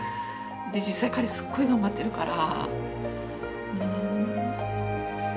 実際、彼すごい頑張ってるから。